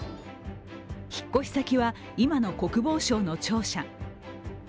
引っ越し先は今の国防省の庁舎。